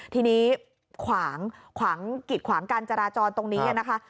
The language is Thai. ทีนี้ขวางขวางกิดขวางการจราจรตรงนี้นะคะ